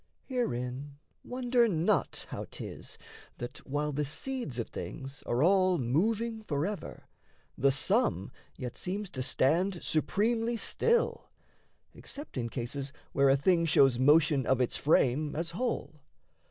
Herein wonder not How 'tis that, while the seeds of things are all Moving forever, the sum yet seems to stand Supremely still, except in cases where A thing shows motion of its frame as whole.